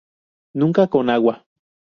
Nunca con agua.